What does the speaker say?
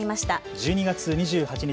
１２月２８日